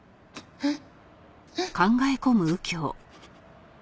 えっ？